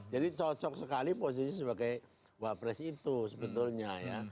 jadi cocok sekali posisi sebagai wak pres itu sebetulnya ya